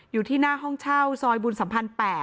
อยู่ที่หน้าห้องเช่าซอยบุญสัมพันธ์๘